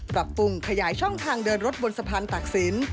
ปรับปรุงขยายช่องทางเดินรถบนสะพานตากศิลป